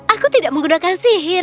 aku tidak menggunakan sihir